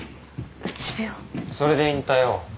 それで引退を？